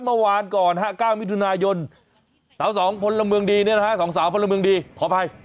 เมื่อวานก่อน๙วิทยุนายนสองสาวพลเมืองดีพอไป